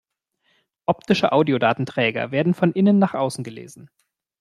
Optische Audiodatenträger werden von innen nach außen gelesen.